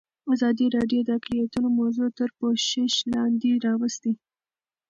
ازادي راډیو د اقلیتونه موضوع تر پوښښ لاندې راوستې.